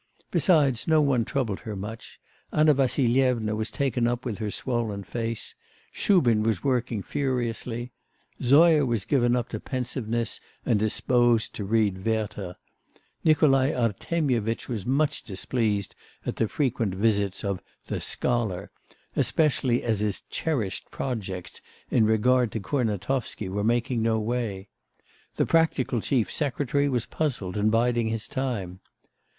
Besides no one troubled her much; Anna Vassilyevna was taken up with her swollen face; Shubin was working furiously; Zoya was given up to pensiveness, and disposed to read Werther; Nikolai Artemyevitch was much displeased at the frequent visits of 'the scholar,' especially as his 'cherished projects' in regard to Kurnatovsky were making no way; the practical chief secretary was puzzled and biding his time.